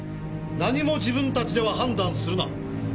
何も自分たちでは判断するな。